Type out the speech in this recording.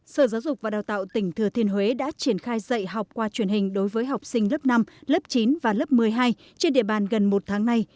sở giáo dục và đào tạo tỉnh thừa thiên huế đã triển khai dạy học qua truyền hình đối với học sinh lớp năm lớp chín và lớp một mươi hai trên địa bàn gần một tháng nay